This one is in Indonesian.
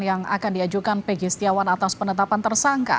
yang akan diajukan pg setiawan atas penetapan tersangka